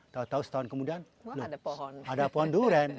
tahu tahu setahun kemudian ada pohon durian